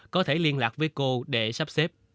có thể liên lạc với cô để sắp xếp